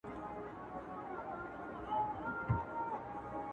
دا درې ورځي بلاخره په داسي حالت کي تیري سي